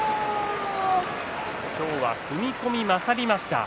今日は踏み込み勝りました。